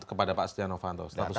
kepada pak stianovanto status cegah